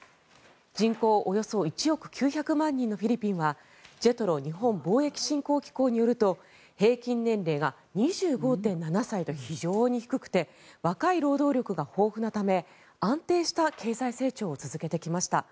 人口およそ１億９００万人のフィリピンはＪＥＴＲＯ・日本貿易振興機構によると平均年齢が２５．７歳と非常に低くて若い労働力が豊富なため安定した経済成長を続けてきました。